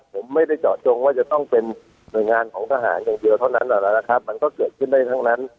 ผมไม่ได้เจาะจงว่าจะต้องเป็นหน่วยงานของทหารอย่างเดียวเท่านั้นนะครับมันก็เกิดขึ้นได้ทั้งนั้น